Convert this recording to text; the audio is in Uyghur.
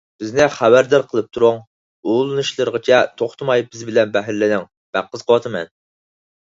بىزنى خەۋەردار قىلىپ تۇرۇڭ. ئۇلىنىشلىرىغىچە توختىماي بىز بىلەن بەھرىلىنىڭ، بەك قىزىقىۋاتىمەن